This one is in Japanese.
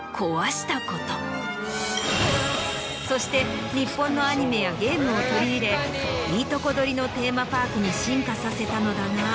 そして日本のアニメやゲームを取り入れいいとこどりのテーマパークに進化させたのだが。